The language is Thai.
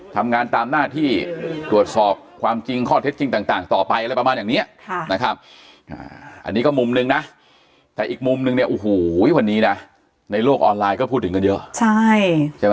ทำงานตามหน้าที่ตรวจสอบความจริงข้อเท็จจริงต่างต่อไปอะไรประมาณอย่างนี้นะครับ